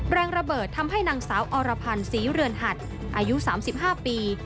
แรงระเบิดทำให้นางสาวอรพันธ์ศรีเรือนหัดอายุ๓๕ปี